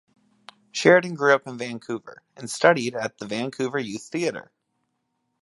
Sheridan grew up in Vancouver and studied at the Vancouver Youth Theatre.